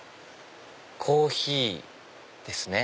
コーヒーですね。